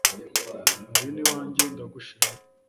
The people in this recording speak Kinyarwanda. Ngwino iwanjye ndagushiramo